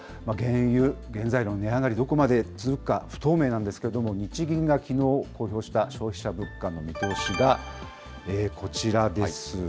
原油、原材料の値上がり、どこまで続くか、不透明なんですけれども、日銀がきのう公表した消費者物価の見通しがこちらです。